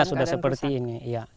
iya sudah seperti ini